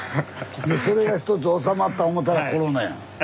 でそれがひとつ収まった思たらコロナや。